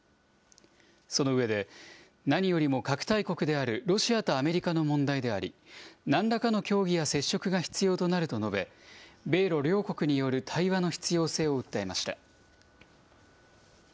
その上で、何よりも核大国であるロシアとアメリカの問題であり、なんらかの協議や接触が必要となると述べ、米ロ両国による対話の必要性を訴えました。